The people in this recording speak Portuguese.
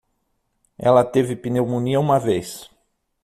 Ela teve pneumonia uma vez.